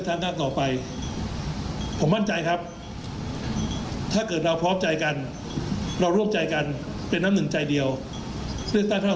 วันนี้มีการแบวกับแสกเสื้อสีขาว